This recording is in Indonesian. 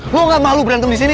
lo gak malu berantem disini